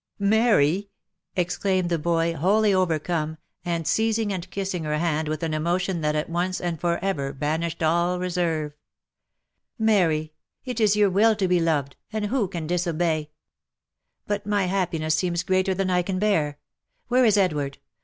" Mary !" exclaimed the boy, wholly overcome, and seizing and kissing her hand with an emotion that at once and for ever banished all reserve, " Mary ! it is your will to be loved, and who can disobey ? 382 THE LIFE AND ADVENTURES But my happiness seems greater than I can bear ! Where is Ed ward